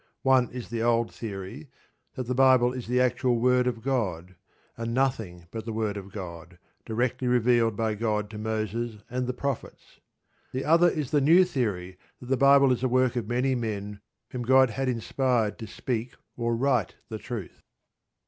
One is the old theory that the Bible is the actual word of God, and nothing but the word of God, directly revealed by God to Moses and the prophets. The other is the new theory: that the Bible is the work of many men whom God had inspired to speak or write the truth.